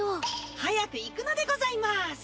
早く行くのでございます！